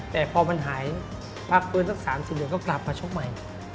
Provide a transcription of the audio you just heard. แต่พอมันหายพักฟื้นสัก๓๔เดือนก็กลับมาชกใหม่